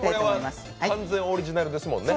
これは完全オリジナルですもんね。